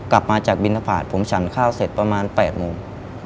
กลับมาจากบินทบาทผมฉันข้าวเสร็จประมาณ๘โมง